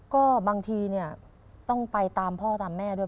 ก็บางทีเนี่ยต้องไปตามพ่อตามแม่ด้วย